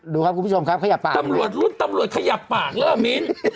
ดูครับคุณผู้ชมครับขยับปากตำรวจรุ่นตำรวจขยับปากแล้วมิ้น